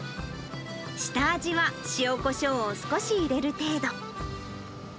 下味は塩コショウを少し入れる程度。